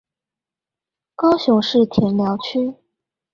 高雄市田寮區